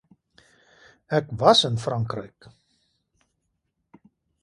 Ek was in Frankryk